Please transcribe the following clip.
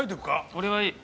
俺はいい。